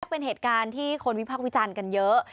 เป็นเหตุการณ์ที่คนวิพักษ์วิจารณ์กันเยอะ